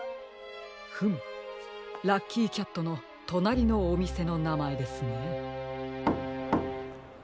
フムラッキーキャットのとなりのおみせのなまえですね。